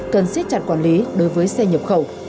cần siết chặt quản lý đối với xe nhập khẩu